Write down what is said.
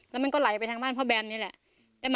แล้วมันก็ไหลไปทางบ้านพ่อแบมนี่แหละ